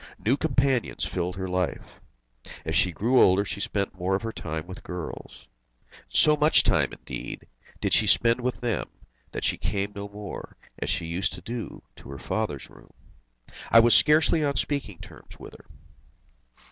New companions filled her life. As she grew older, she spent more of her time with girls. So much time indeed did she spend with them that she came no more, as she used to do, to her father's room. I was scarcely on speaking terms with her.